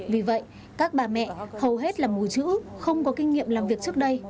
vì vậy các bà mẹ hầu hết là mùi chữ không có kinh nghiệm làm việc trước đây